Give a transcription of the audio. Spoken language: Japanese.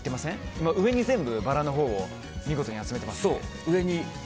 今、上に全部バラのほうを見事に集めていますね。